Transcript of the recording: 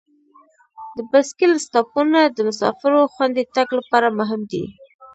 د بایسکل سټاپونه د مسافرو خوندي تګ لپاره مهم دي.